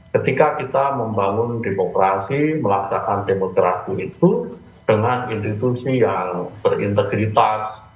ketika kita membangun demokrasi melaksanakan demokrasi itu dengan institusi yang berintegritas